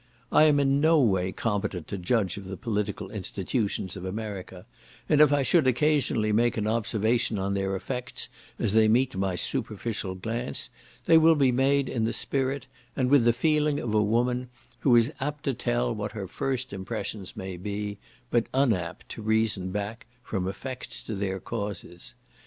I am in no way competent to judge of the political institutions of America; and if I should occasionally make an observation on their effects, as they meet my superficial glance, they will be made in the spirit, and with the feeling of a woman, who is apt to tell what her first impressions may be, but unapt to reason back from effects to their causes.